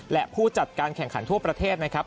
และผู้จัดการแข่งขันทั่วประเทศนะครับ